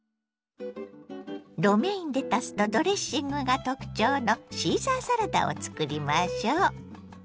ロメインレタスとドレッシングが特徴のシーザーサラダをつくりましょ。